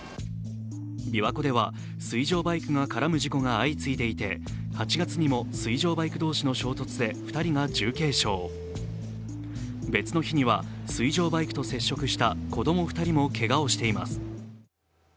びわ湖では水上バイクが絡む事故が相次いでいて８月にも水上バイク同士の衝突で２人が重軽傷、別の日には水上バイクと接触した子供２人もけがをしています。